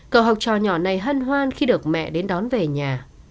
cậu học trò nhỏ này hân hoan khi được mẹ đến đón về nhà